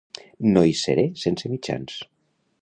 No hi seré sense mitjans.